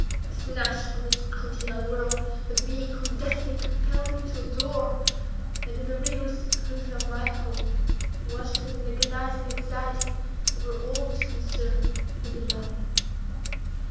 I snatched from the scrutiny of the world a being whom destiny compelled me to adore, and in the rigorous seclusion of my home, watched with an agonizing anxiety over all which concerned the beloved.